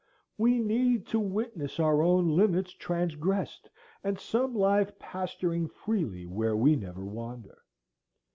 We need to witness our own limits transgressed, and some life pasturing freely where we never wander.